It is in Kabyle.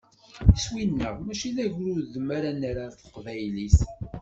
Iswi-nneɣ mačči d agrudem ara nerr ɣer teqbaylit.